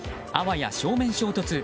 あわや正面衝突。